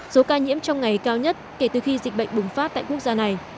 số ca nhiễm trong ngày cao nhất kể từ khi dịch bệnh bùng phát tại quốc gia này